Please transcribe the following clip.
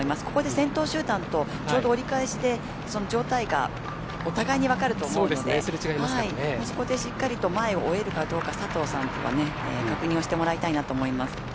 ここで先頭集団とちょうど折り返しで状態がお互いにわかると思うのでそこでしっかりと前を追えるかどうか、佐藤さん確認をしてもらいたいなと思います。